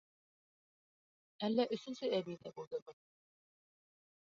Әллә өсөнсө әбей ҙә булдымы?